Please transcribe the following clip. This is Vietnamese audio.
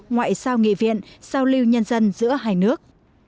ngoại giao nghị viện giao lưu nhân dân giữa hai nước